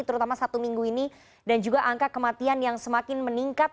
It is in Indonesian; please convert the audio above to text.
terutama satu minggu ini dan juga angka kematian yang semakin meningkat